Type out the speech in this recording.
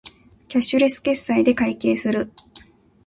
キャッシュレス決済で会計をする